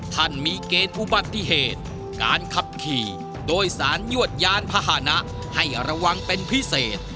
ท่านมีเกณฑ์อุบัติเหตุการขับขี่โดยสารยวดยานพาหนะให้ระวังเป็นพิเศษ